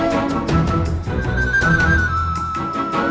bakar banget mogotk